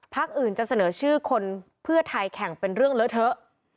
อื่นจะเสนอชื่อคนเพื่อไทยแข่งเป็นเรื่องเลอะเทอะ